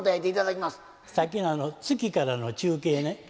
さっきのあの月からの中継ね。